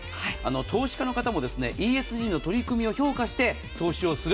投資家の方もＥＳＧの取り組みを評価して投資する。